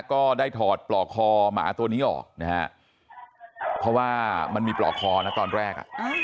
ก็ได้ถอดปลอกคอหมาตัวนี้ออกนะฮะเพราะว่ามันมีปลอกคอนะตอนแรกอ่ะ